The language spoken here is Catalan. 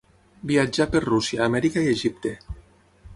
Viatjà per Rússia, Amèrica i Egipte.